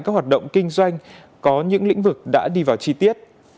các hoạt động kinh doanh có những lĩnh vực đã đi vào chi tiết